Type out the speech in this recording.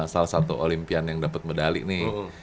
salah satu olimpian yang dapat medali nih